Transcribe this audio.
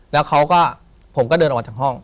แล้วผมก็เดินออกมาจากห้อง